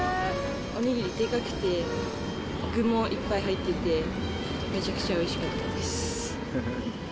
お握りでかくて、具もいっぱい入ってて、めちゃくちゃおいしかったです。